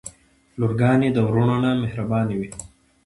لورګانې د وروڼه نه مهربانې وی.